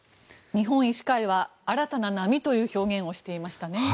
日本医師会は新たな波という表現をしていましたね。